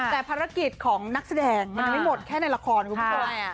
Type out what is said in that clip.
แต่ภารกิจของนักแสดงมันยังไม่หมดแค่ในละครคุณผู้ชม